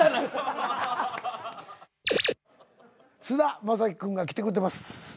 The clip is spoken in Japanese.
菅田将暉君が来てくれてます。